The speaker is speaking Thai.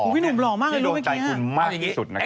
ที่โดนใจคุณมากที่สุดนะครับ